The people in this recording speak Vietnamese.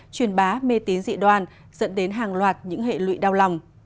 truyền bá mê tín dị đoàn dẫn đến hàng loạt những hệ lụy đau lòng